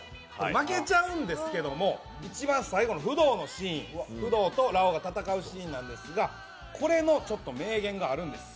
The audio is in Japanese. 負けちゃうんですけどいちばん最後のフドウのシーン、フドウとラオウが戦うシーンなんですが、これの名言があるんです。